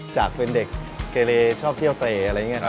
จากเป็นเด็กเกาะเทชน์ชอบเทอะไรเงี่ย